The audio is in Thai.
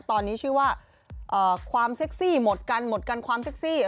ตอนนี้ชื่อว่าความเซ็กซี่หมดกันหมดกันความเซ็กซี่